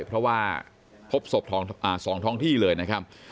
เพราะว่าพบศพ๒ท้องที่เลยนะครับ